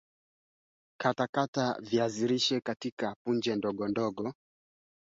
Tanzania wiki mbili zilizopita kutokukubaliana kulipelekea kusitishwa kwa majadiliano